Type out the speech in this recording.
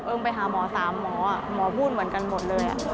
ไปหาหมอ๓หมอหมอพูดเหมือนกันหมดเลย